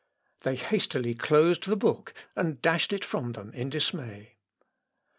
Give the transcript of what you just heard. They hastily closed the book, and dashed it from them in dismay.